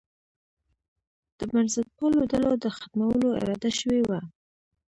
د بنسټپالو ډلو د ختمولو اراده شوې وه.